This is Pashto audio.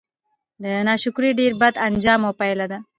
د ناشکرۍ ډير بد آنجام او پايله ده